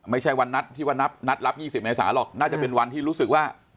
ไม่ใช่วันนัดที่ว่านัดรับ๒๐เมษาหรอกน่าจะเป็นวันที่รู้สึกว่า